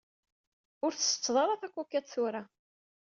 Ur tsetteḍ ara takukit tura.